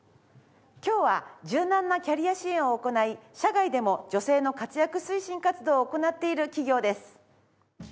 今日は柔軟なキャリア支援を行い社外でも女性の活躍推進活動を行っている企業です。